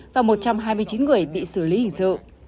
và một trăm hai mươi chín người bị xử lý hình sự